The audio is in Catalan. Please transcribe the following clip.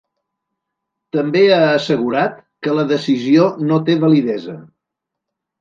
També ha assegurat que la decisió ‘no té validesa’.